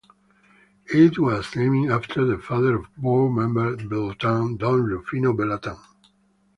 It was named after the father of Board Member Balatan, Don Rufino Balatan.